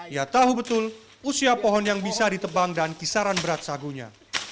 ia tahu betul usia pohon yang bisa ditebang dan kisaran berat sagunya